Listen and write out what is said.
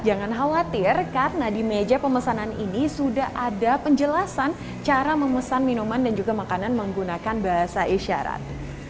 jangan khawatir karena di meja pemesanan ini sudah ada penjelasan cara memesan minuman dan juga makanan menggunakan bahasa isyarat